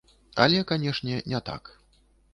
Але, канешне, не так.